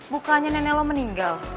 bukannya nenek lu meninggal